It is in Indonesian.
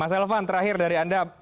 mas elvan terakhir dari anda